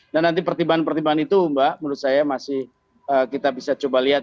dan nanti pertimbangan pertimbangan itu mbak menurut saya masih kita bisa coba lihat